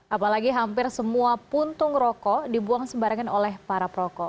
apalagi hampir semua puntung rokok dibuang sembarangan oleh para perokok